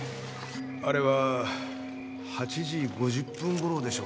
あれは８時５０分頃でしょうか。